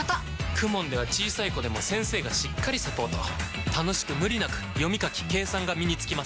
ＫＵＭＯＮ では小さい子でも先生がしっかりサポート楽しく無理なく読み書き計算が身につきます！